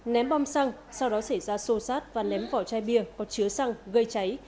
ném bom xăng sau đó xảy ra sô sát và ném vỏ chai bia có chứa xăng gây cháy